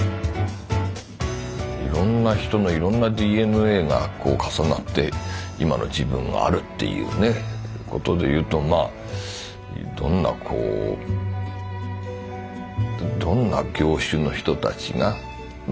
いろんな人のいろんなＤＮＡが重なって今の自分があるっていうねことでいうとどんな業種の人たちの血が流れてるのかな。